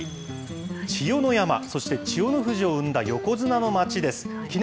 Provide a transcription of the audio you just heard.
千代の山、そして千代の富士を生んだ横綱の町です。